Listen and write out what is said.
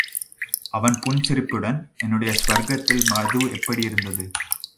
அவன் புன்சிரிப்புடன் என்னுடைய சுவர்க்கத்தில் மது எப்படியிருந்தது?